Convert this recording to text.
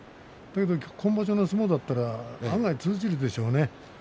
今場所の相撲だったら案外通じるでしょうね。